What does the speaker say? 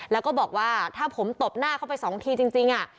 แล้วก็บอกว่าถ้าผมตบหน้าเข้าไปสองทีจริง